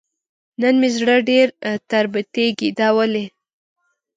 نن مې زړه ډېر تربتېږي دا ولې ؟